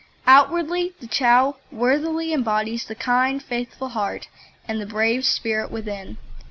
Outwardly, the Chow worthily embodies the kind, faithful heart and the brave spirit within.